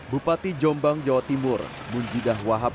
bupati jombang jawa timur munjidah wahab